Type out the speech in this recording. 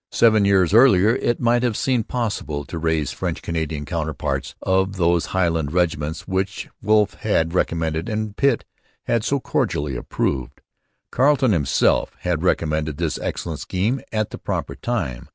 Seven years earlier it might still have been possible to raise French Canadian counterparts of those Highland regiments which Wolfe had recommended and Pitt had so cordially approved. Carleton himself had recommended this excellent scheme at the proper time.